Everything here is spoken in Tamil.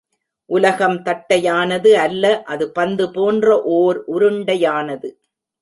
உலகம் தட்டையானது அல்ல அது பந்து போன்ற ஓர் உருண்டையானது.